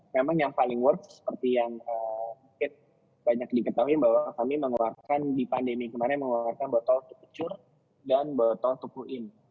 memang yang paling worth seperti yang mungkin banyak diketahui bahwa kami mengeluarkan di pandemi kemarin mengeluarkan botol tukucur dan botol tukuin